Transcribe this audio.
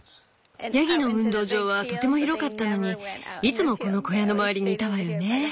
ヤギの運動場はとても広かったのにいつもこの小屋の周りにいたわよね。